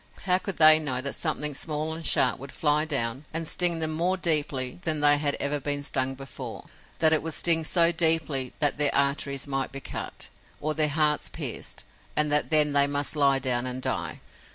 How could they know that something small and sharp would fly down and sting them more deeply than they had ever been stung before, that it would sting so deeply that their arteries might be cut, or their hearts pierced and that then they must lie down and die?